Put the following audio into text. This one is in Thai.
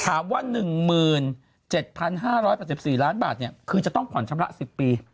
ถามว่า๑๗๕๘๔ล้านบาทคือจะต้องผ่อนชำระ๑๐ปี